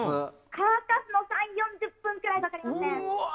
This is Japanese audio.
乾かすのは３０４０分ぐらいかかります。